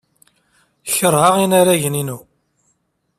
Keṛheɣ inaragen-inu.